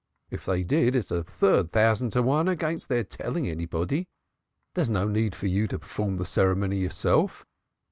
If they did, it's a third thousand to one against their telling anybody. There is no need for you to perform the ceremony yourself.